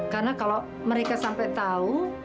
karena kalau mereka sampai tahu